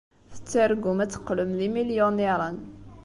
Tettargum ad teqqlem d imilyuniṛen.